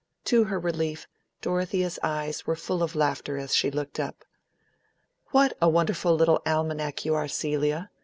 To her relief, Dorothea's eyes were full of laughter as she looked up. "What a wonderful little almanac you are, Celia!